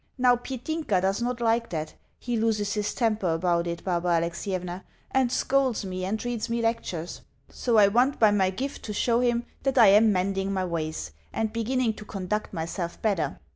Now, Petinka does not like that; he loses his temper about it, Barbara Alexievna, and scolds me, and reads me lectures. So I want by my gift to show him that I am mending my ways, and beginning to conduct myself better.